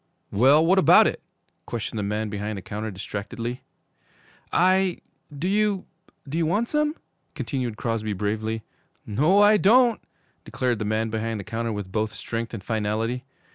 'Well, what about it?' questioned the man behind the counter distractedly. 'I do you do you want some?' continued Crosby bravely. 'No, I don't,' declared the man behind the counter with both strength and finality.